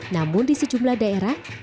namun di sejumlah daerahnya